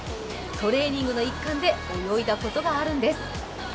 トレーニングの一環で泳いだことがあるんです